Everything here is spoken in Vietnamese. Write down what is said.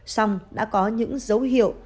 xong đã có những dấu hiệu